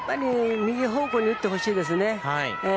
右方向に打ってほしいですね。